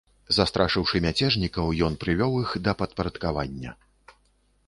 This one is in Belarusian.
Застрашыўшы мяцежнікаў, ён прывёў іх да падпарадкавання.